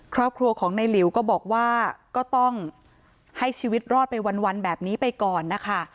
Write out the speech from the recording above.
ครอบครัวของในหลิวก็บอกว่าก็ต้องให้ชีวิตรอดไปวันแบบนี้ไปก่อนนะคะ